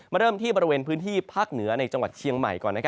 เริ่มที่บริเวณพื้นที่ภาคเหนือในจังหวัดเชียงใหม่ก่อน